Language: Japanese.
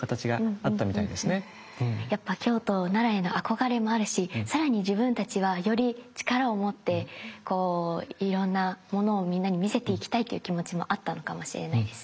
やっぱ京都・奈良への憧れもあるし更に自分たちはより力を持っていろんなものをみんなに見せていきたいっていう気持ちもあったのかもしれないですね